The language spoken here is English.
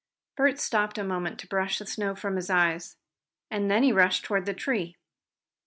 Bert stopped a moment to brush the snow from his eyes, and then he rushed toward the tree.